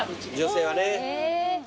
女性はね。